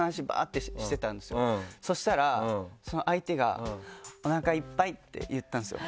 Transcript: そしたらその相手が「おなかいっぱい」って言ったんですよ